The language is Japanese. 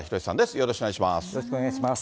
よろしくお願いします。